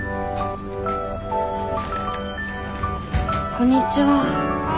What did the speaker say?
こんにちは。